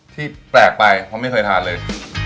ที่แปลกไปเพราะไม่เคยทานเลย